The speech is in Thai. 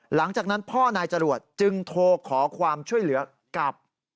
หลังจากนั้นพ่อนายจรวดจึงโทรขอความช่วยเหลือกับ